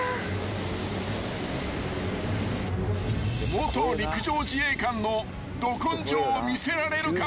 ［元陸上自衛官のど根性を見せられるか］